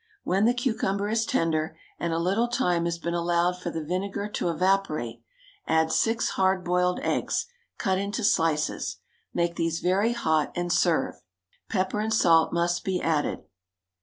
When the cucumber is tender, and a little time has been allowed for the vinegar to evaporate, add six hard boiled eggs, cut into slices; make these very hot and serve. Pepper and salt must be added.